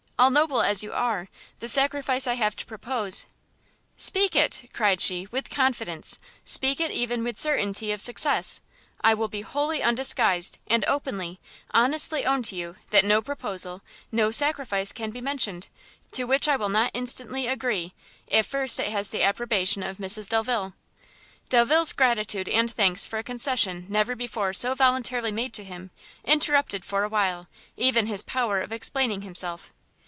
all noble as you are, the sacrifice I have to propose " "Speak it," cried she, "with confidence! speak it even with certainty of success! I will be wholly undisguised, and openly, honestly own to you, that no proposal, no sacrifice can be mentioned, to which I will not instantly agree, if first it has had the approbation of Mrs Delvile." Delvile's gratitude and thanks for a concession never before so voluntarily made to him, interrupted for a while, even his power of explaining himself.